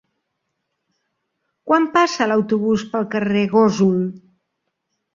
Quan passa l'autobús pel carrer Gósol?